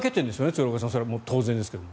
鶴岡さん、当然ですけど。